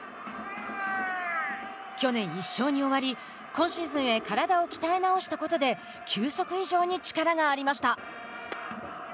去年１勝に終わり今シーズンへ体を鍛え直したことで球速以上に力がありました。